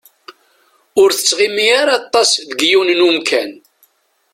Ur tettɣimi ara aṭas deg yiwen n umkan.